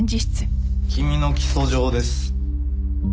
君の起訴状です。